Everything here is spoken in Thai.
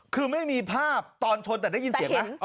คือไม่มีภาพตอนชนแต่ได้ยินเสียงไหม